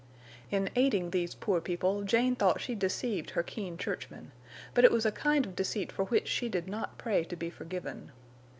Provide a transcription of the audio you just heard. In aiding these poor people Jane thought she deceived her keen churchmen, but it was a kind of deceit for which she did not pray to be forgiven.